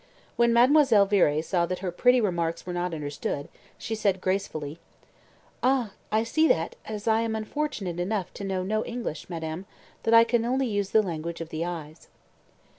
When Mademoiselle Viré saw that her pretty remarks were not understood, she said gracefully "Ah! I see that, as I am unfortunate enough to know no English, madame, I can only use the language of the eyes."